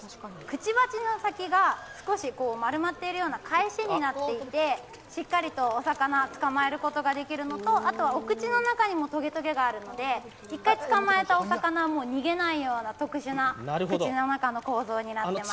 くちばしの先が少し丸まっているような、返しになっていてしっかりとお魚を捕まえることができるのとあとはお口の中にもとげとげがあるので１回捕まえたお魚は逃げないような特殊な口の中の構造になっています。